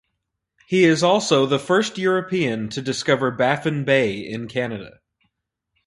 He is also the first European to discover Baffin Bay in Canada.